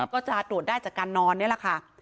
ก็จะตรวจได้จากการนอนนี่แหละค่ะ